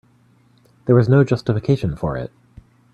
There was no justification for it.